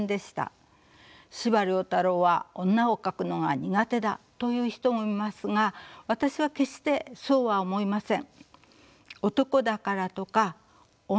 「司馬太郎は女を描くのが苦手だ」と言う人もいますが私は決してそうは思いません。